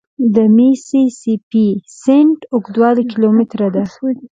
د میسي سي پي سیند اوږدوالی کیلومتره دی.